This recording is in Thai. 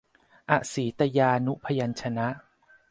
อสีตยานุพยัญชนะ